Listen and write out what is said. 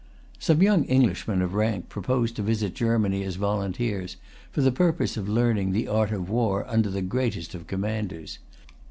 Some young Englishmen of rank proposed to visit Germany as volunteers, for the purpose of learning the art of war under the greatest of commanders.